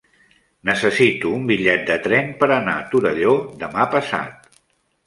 Necessito un bitllet de tren per anar a Torelló demà passat.